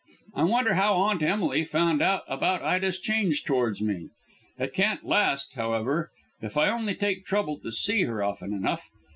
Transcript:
I wonder how Aunt Emily found out about Ida's change towards me? It can't last, however, if I only take trouble to see her often enough.